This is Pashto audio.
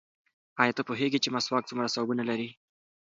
ایا ته پوهېږې چې مسواک څومره ثوابونه لري؟